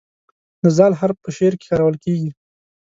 د "ذ" حرف په شعر کې کارول کیږي.